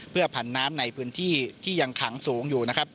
เพื่อผันน้ำในพื้นที่ที่ยังขังสูงอยู่นะครับ